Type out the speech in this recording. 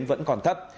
vẫn còn thấp